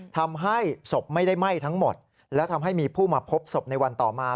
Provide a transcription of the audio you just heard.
ทำให้ศพไม่ได้ไหม้ทั้งหมดและทำให้มีผู้มาพบศพในวันต่อมา